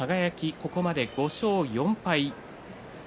ここまで５勝４敗。